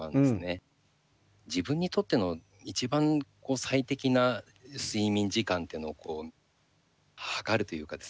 自分にとっての一番最適な睡眠時間っていうのを測るというかですね